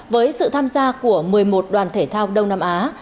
với sự tham gia của một mươi một đoàn thể thao đông nam á